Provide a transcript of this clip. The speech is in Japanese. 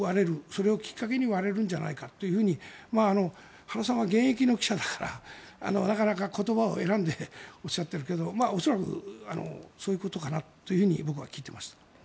それをきっかけに割れるんじゃないかと原さんは現役の記者だからなかなか言葉を選んでおっしゃっているけど恐らくそういうことかなって僕は聞いていました。